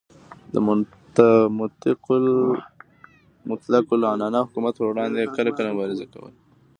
د مطلق العنان حکومت پروړاندې یې کلکه مبارزه کوله.